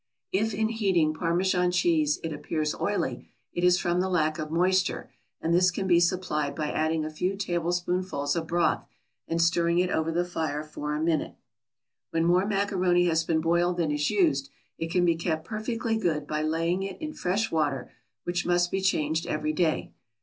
If in heating Parmesan cheese it appears oily, it is from the lack of moisture, and this can be supplied by adding a few tablespoonfuls of broth, and stirring it over the fire for a minute. When more macaroni has been boiled than is used, it can be kept perfectly good by laying it in fresh water, which must be changed every day.